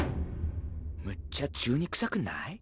むっちゃ中二くさくない？